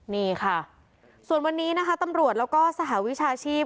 นี่ค่ะส่วนวันนี้นะคะตำรวจแล้วก็สหวิชาชีพ